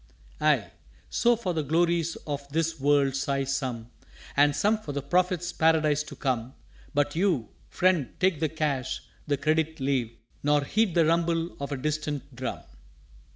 "_Ay; so, for the Glories of this World sigh some, And some for the Prophet's Paradise to come; But you, Friend, take the Cash the Credit leave, Nor heed the rumble of a distant Drum!